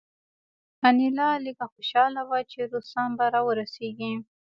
انیلا لږه خوشحاله وه چې روسان به راورسیږي